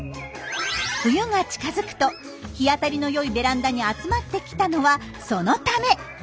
冬が近づくと日当たりのよいベランダに集まってきたのはそのため。